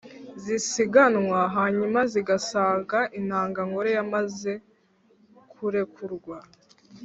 zisiganwa, hanyuma zigasanga intangangore yamaze kurekurwa